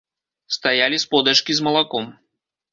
Стаялі сподачкі з малаком.